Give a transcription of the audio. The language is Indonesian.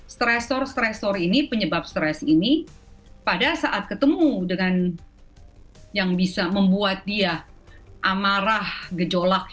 stressor stressor ini penyebab stres ini pada saat ketemu dengan yang bisa membuat dia amarah gejolak